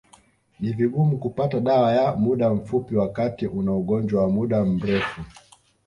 Ni vigumu kupata dawa ya muda mfupi wakati una ugonjwa wa muda mrefu